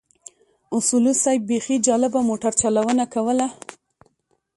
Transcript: اصولي صیب بيخي جالبه موټر چلونه کوله.